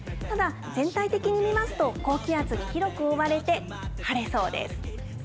ただ、全体的に見ますと、高気圧に広く覆われて晴れそうです。